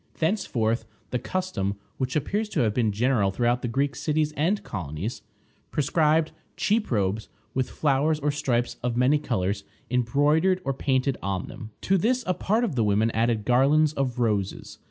Thenceforth the custom, which appears to have been general throughout the Greek cities and colonies, prescribed cheap robes, with flowers or stripes of many colors embroidered or painted on them. To this a part of the women added garlands of roses.